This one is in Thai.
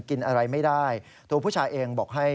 กินอะไรไม่ได้ตัวผู้ชายเองบอกให้